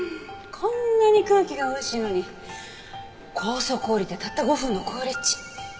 こんなに空気が美味しいのに高速降りてたった５分の好立地。